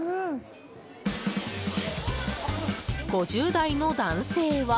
５０代の男性は。